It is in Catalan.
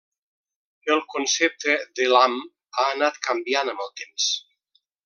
El concepte d'Elam ha anat canviant amb el temps.